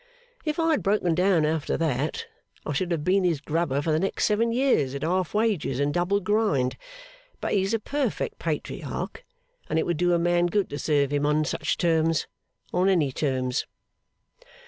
If I had broken down after that, I should have been his grubber for the next seven years at half wages and double grind. But he's a perfect Patriarch; and it would do a man good to serve him on such terms on any terms.